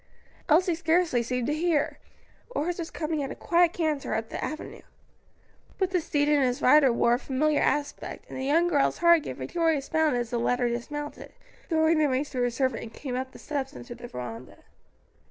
Elsie scarcely seemed to hear. A horse was coming at a quiet canter up the avenue. Both the steed and his rider wore a familiar aspect, and the young girl's heart gave a joyous bound as the latter dismounted, throwing the reins to a servant, and came up the steps into the veranda.